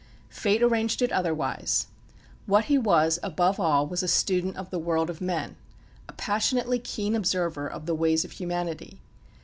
Fate arranged it otherwise. What he was above all was a student of the world of men, a passionately keen observer of the ways of humanity.